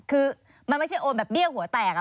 คือมันไม่ใช่โอนแบบเบี้ยหัวแตก